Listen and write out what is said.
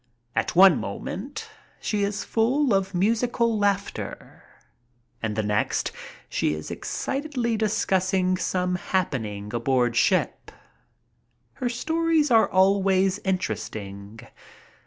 At one moment she is full of musical laughter, and the next she is excitedly discussing some happening aboard ship. Her stories are always interesting.